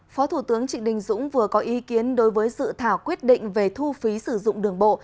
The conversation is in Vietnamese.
phó thủ tướng trịnh đình dũng vừa có ý kiến đối với dự thảo quyết định về thu phí sử dụng đường bộ